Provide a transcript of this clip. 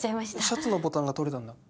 シャツのボタンが取れたんだ。